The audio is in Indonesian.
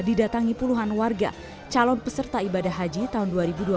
didatangi puluhan warga calon peserta ibadah haji tahun dua ribu dua puluh